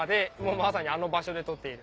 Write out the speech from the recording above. まさにあの場所で採っている。